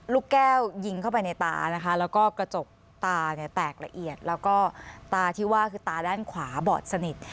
ลูกแก้วยิงเข้าไปในตานะคะแล้วก็กระจกตาเนี่ยแตกละเอียดแล้วก็ตาที่ว่าคือตาด้านขวาบอดสนิท